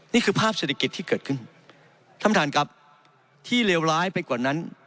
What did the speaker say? นี่คือภาพเศรษฐกิจที่เกิดขึ้นท่านประธานครับที่เลวร้ายไปกว่านั้น